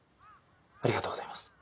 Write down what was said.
ありがとうございます。